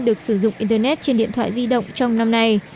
được sử dụng internet trên điện thoại di động trong năm nay